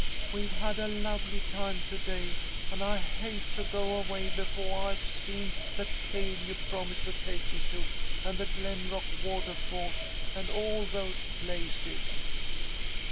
We've had a lovely time to day, and I hate to go away befo' I've seen the cave you promised to take me to and the Glen rock watahfall, and all those places."